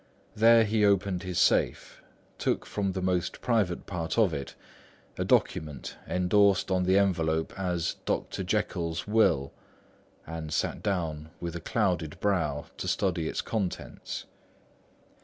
There he opened his safe, took from the most private part of it a document endorsed on the envelope as Dr. Jekyll's Will and sat down with a clouded brow to study its contents.